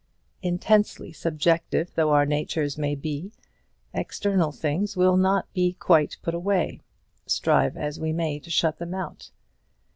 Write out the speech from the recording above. Intensely subjective though our natures may be, external things will not be quite put away, strive as we may to shut them out.